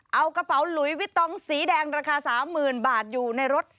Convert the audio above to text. เอากระเป๋าหลุยวิตองสีแดงราคา๓๐๐๐บาทอยู่ในรถ